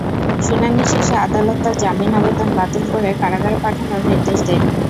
শুনানি শেষে আদালত তাঁর জামিন আবেদন বাতিল করে কারাগারে পাঠানোর নির্দেশ দেন।